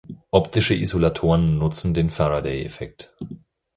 Optische Isolatoren nutzen den Faraday-Effekt.